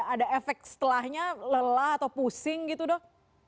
ada efek setelahnya lelah atau pusing gitu dok